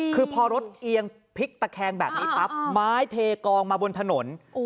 คือพอรถเอียงพลิกตะแคงแบบนี้ปั๊บไม้เทกองมาบนถนน